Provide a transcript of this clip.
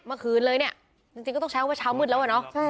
เมื่อคืนเลยเนี่ยจริงก็ต้องใช้ว่าเช้ามืดแล้วอะเนาะ